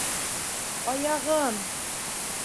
Аяғым!